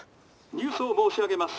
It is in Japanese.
「ニュースを申し上げます。